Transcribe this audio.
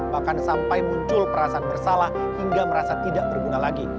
bahkan sampai muncul perasaan bersalah hingga merasa tidak berguna lagi